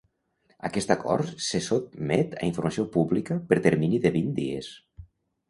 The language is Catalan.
Aquest acord se sotmet a informació pública per termini de vint dies.